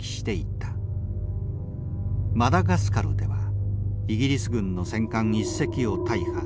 マダガスカルではイギリス軍の戦艦１隻を大破。